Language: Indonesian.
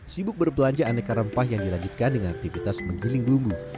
sibuk berbelanja aneka rempah yang dilanjutkan dengan aktivitas menggiling bumbu